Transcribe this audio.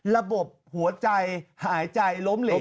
ระบบหัวใจหายใจล้มเหลว